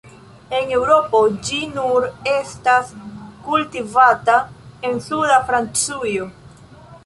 En Eŭropo ĝi nur estas kultivata en suda Francujo.